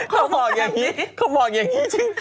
เขาบอกอย่างนี้จริง